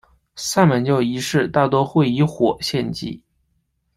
萨满教仪式大多会以火献祭。